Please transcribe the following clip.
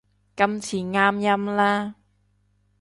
今次啱音啦